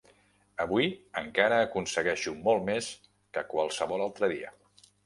Avui encara aconsegueixo molt més que qualsevol altre dia.